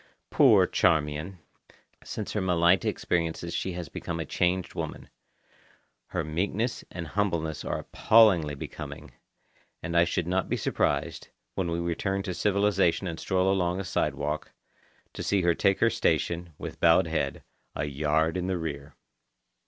Poor Charmian! Since her Malaita experiences she has become a changed woman. Her meekness and humbleness are appallingly becoming, and I should not be surprised, when we return to civilization and stroll along a sidewalk, to see her take her station, with bowed head, a yard in the rear.